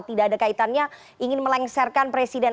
tidak ada kaitannya ingin melengsarkan presiden